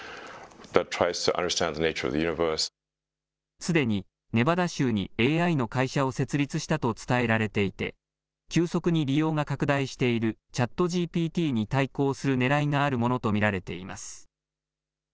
すでに、ネバダ州にＡＩの会社を設立したと伝えられていて、急速に利用が拡大しているＣｈａｔＧＰＴに対抗するねらいがあるものと見られています。